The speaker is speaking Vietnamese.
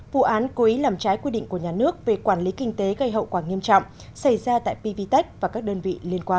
bốn vụ án cố ý làm trái quy định của nhà nước về quản lý kinh tế gây hậu quả nghiêm trọng xảy ra tại pvtech và các đơn vị